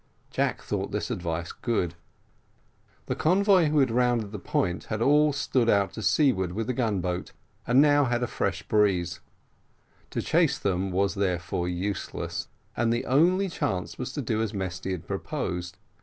Jack thought this advice good. The convoy who had rounded the point had all stood out to seaward with the gun boat, and had now a fresh breeze. To chase them was therefore useless; and the only chance was to do as Mesty had proposed.